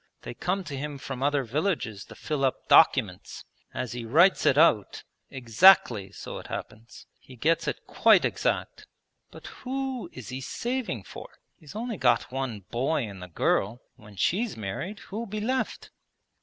They come to him from other villages to fill up documents. As he writes it out, exactly so it happens. He gets it quite exact. But who is he saving for? He's only got one boy and the girl; when she's married who'll be left?'